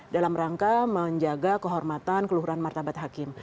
dalam rangka menjaga kehormatan keluhuran martabat hakim